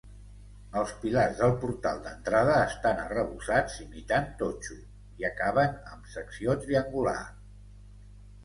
Els pilars del portal d'entrada estan arrebossats imitant totxo i acaben amb secció triangular.